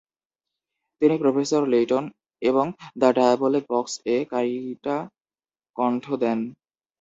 তিনি Professor Layton এবং the Diabolic বক্স-এ কাইটা কণ্ঠ দেন।